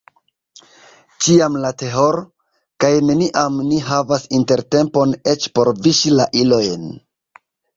Ĉiam la tehoro, kaj neniam ni havas intertempon eĉ por viŝi la ilojn.